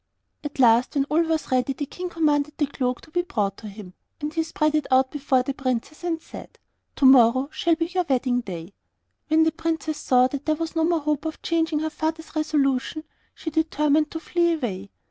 At last, when all was ready, the King commanded the cloak to be brought to him, and he spread it out before the Princess, and said, 'Tomorrow shall be your wedding day.' When the Princess saw that there was no more hope of changing her father's resolution, she determined to flee away.